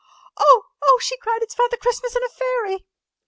] "Oh, oh!" she cried. "It's Father Christmas and a fairy!"